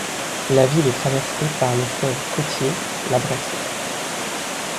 La ville est traversée par le fleuve côtier la Bresle.